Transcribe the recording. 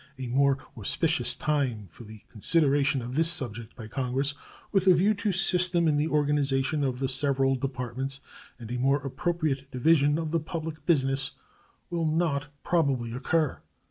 A more auspicious time for the consideration of this subject by Congress, with a view to system in the organization of the several Departments and a more appropriate division of the public business, will not probably occur.